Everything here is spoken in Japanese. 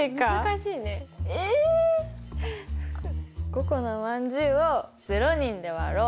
「５個のまんじゅうを０人で割ろう。